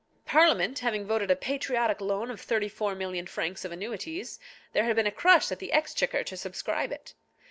Parliament having voted a patriotic loan of thirty four million francs of annuities, there had been a crush at the Exchequer to subscribe it.